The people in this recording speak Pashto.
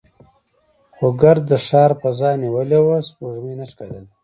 خو ګرد د ښار فضا نیولې وه، سپوږمۍ نه ښکارېده.